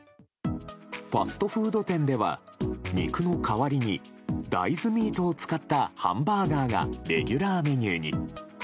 ファストフード店では肉の代わりに大豆ミートを使ったハンバーガーがレギュラーメニューに。